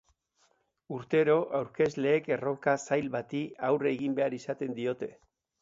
Urtero, aurkezleek erronka zail bati aurre egin behar izaten diote.